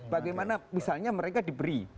bagaimana misalnya mereka diberi